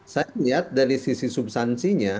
saya lihat dari sisi substansinya